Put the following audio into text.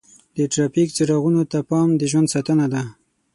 د ټرافیک څراغونو ته پام د ژوند ساتنه ده.